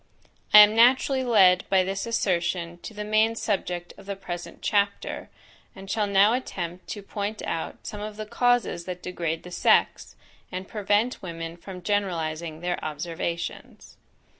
I am naturally led by this assertion to the main subject of the present chapter, and shall now attempt to point out some of the causes that degrade the sex, and prevent women from generalizing their observations.